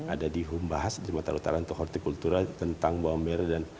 ada di humbahas di jumatara utara untuk horticultura tentang bawang merah